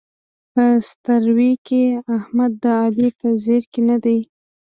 په ستروۍ کې احمد د علي په زېري کې نه دی.